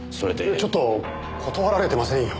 ちょっと断られてませんよ。